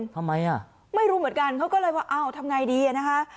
ทำไมอ่ะไม่รู้เหมือนกันเขาก็เลยว่าอ้าวทำไงดีอ่ะนะคะ